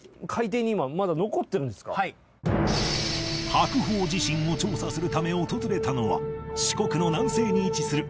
白鳳地震を調査するため訪れたのは四国の南西に位置する柏島